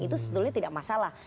itu sebetulnya tidak masalah